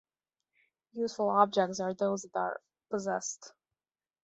Useful objects are those that are possessed.